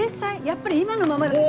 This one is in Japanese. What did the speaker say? やっぱり今のままだと。